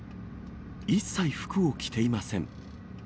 一切服を着ていません。